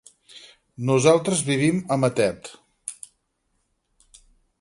Nosaltres vivim a Matet.